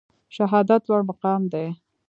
شهادت لوړ مقام دی